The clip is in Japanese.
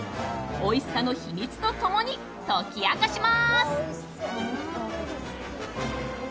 おいしさの秘密と共に解き明かします。